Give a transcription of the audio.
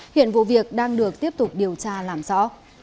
hiện vụ việc đang được tiếp tục điều tra làm rõ